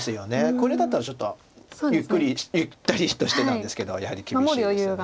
これだったらちょっとゆっくりゆったりとしてたんですけどやはり厳しいですよね。